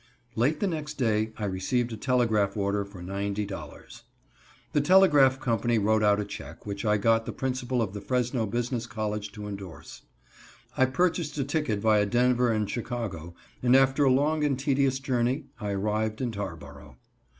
Late the next day I received a telegraph order for ninety dollars. The telegraph company wrote out a check, which I got the Principal of the Fresno Business College to endorse. I purchased a ticket via Denver and Chicago, and after a long and tedious journey, I arrived in Tarboro.